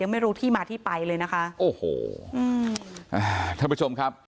ไม่รู้ที่มาที่ไปเลยนะคะโอ้โหอืมอ่าท่านผู้ชมครับ